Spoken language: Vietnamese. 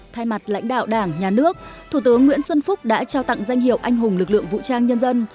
thay mặt lãnh đạo đảng nhà nước thủ tướng nguyễn xuân phúc đã trao tặng danh hiệu anh hùng lực lượng vũ trang nhân dân